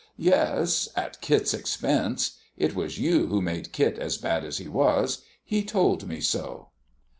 "Yes, at Kit's expense. It was you who made Kit as bad as he was. He told me so."